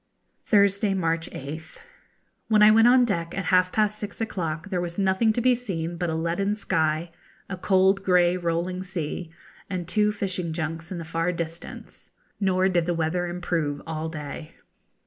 Thursday, March 8th. When I went on deck at half past six o'clock there was nothing to be seen but a leaden sky, a cold grey rolling sea, and two fishing junks in the far distance, nor did the weather improve all day.